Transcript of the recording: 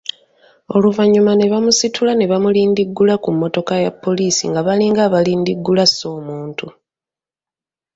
Oluvannyuma ne bamusitula ne bamulindiggula ku mmotoka ya poliisi nga balinga abalindiggula asse omuntu.